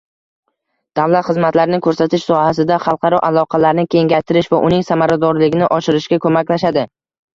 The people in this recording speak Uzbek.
davlat xizmatlarini ko’rsatish sohasida xalqaro aloqalarni kengaytirish va uning samaradorligini oshirishga ko’maklashadi.